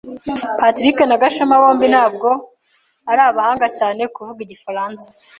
Patrick na Gashema bombi ntabwo ari abahanga cyane kuvuga igifaransa.